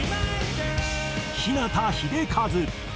日向秀和。